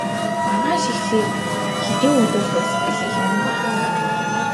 Маргааш эхлээд хэдний өдөр дуусах билээ хэмээн бодов.